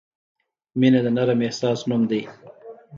• مینه د نرم احساس نوم دی.